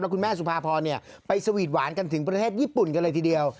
คุณแม่สุภาพรไปสวีทหวานกันถึงประเทศญี่ปุ่นกันเลยทีเดียว